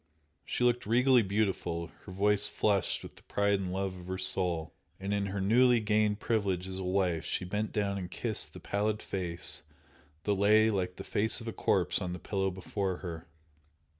She looked regally beautiful, her face flushed with the pride and love of her soul, and in her newly gained privilege as a wife she bent down and kissed the pallid face that lay like the face of a corpse on the pillow before her.